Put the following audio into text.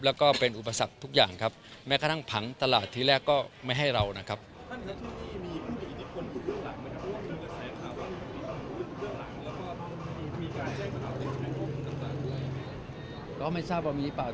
แล้วก็เป็นอุปสรรคทุกอย่างครับแม้กระทั่งผังตลาดทีแรกก็ไม่ให้เรานะครับ